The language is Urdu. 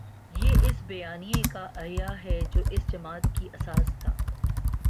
یہ اس بیانیے کا احیا ہے جو اس جماعت کی اساس تھا۔